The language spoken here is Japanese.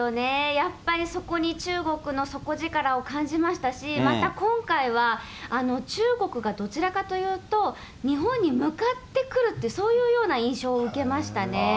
やっぱりそこに中国の底力を感じましたし、また今回は、中国がどちらかというと、日本に向かってくるって、そういうような印象を受けましたね。